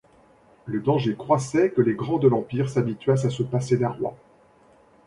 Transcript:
Le danger croissait que les grands de l'Empire s'habituassent à se passer d'un roi.